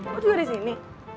lo juga disini